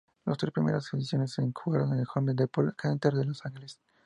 Las tres primeras ediciones se jugaron en el Home Depot Center de Los Ángeles.